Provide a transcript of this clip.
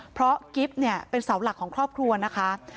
เพราะกิ๊บเนี่ยเป็นเสาหลักของครอบครัวนะคะ